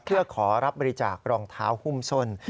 เพื่อขอรับบริจาครองเท้าหุ้มส้น